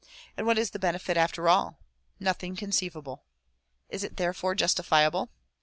And what is the benefit after all? Nothing conceivable. Is it therefore justifiable?